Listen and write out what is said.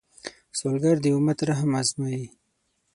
سوالګر د امت رحم ازمويي